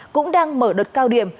cũng đang mở đợt cao điểm